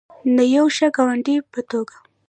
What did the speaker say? د یو ښه ګاونډي په توګه.